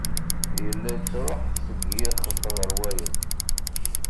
Yella yettruḥ seg yixef ɣer wayeḍ.